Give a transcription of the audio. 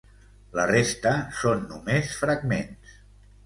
La resta són només fragments.